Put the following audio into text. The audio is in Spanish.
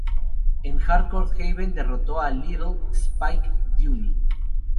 En Hardcore Heaven derrotó a "Little" Spike Dudley.